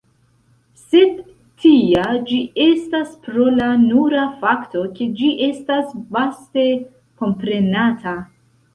Sed tia ĝi estas pro la nura fakto ke ĝi estas vaste komprenata.